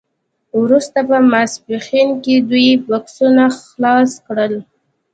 وروسته په ماسپښین کې دوی بکسونه خلاص کړل